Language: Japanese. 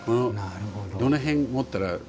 どの辺を持ったら？